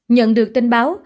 nhận được tin báo